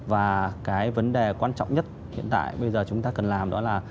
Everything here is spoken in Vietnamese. và cái vấn đề quan trọng nhất hiện tại bây giờ chúng ta cần làm đó là